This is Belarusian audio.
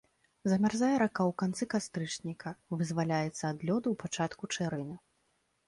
Замярзае рака ў канцы кастрычніка, вызваляецца ад лёду ў пачатку чэрвеня.